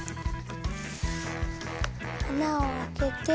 穴を開けて。